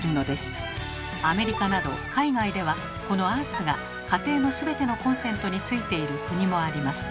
アメリカなど海外ではこのアースが家庭の全てのコンセントについている国もあります。